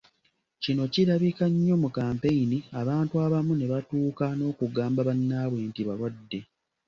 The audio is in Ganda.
Kino kirabika nnyo mu kkampeyini abantu abamu ne batuuka n’okugamba bannaabwe nti balwadde.